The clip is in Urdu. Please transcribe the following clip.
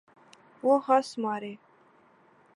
وہ ہنس مارے۔